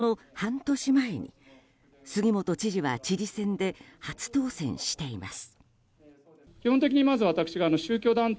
そのイベントの半年前に杉本知事は知事選で初当選しています。